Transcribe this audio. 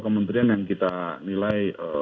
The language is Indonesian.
kementerian yang kita nilai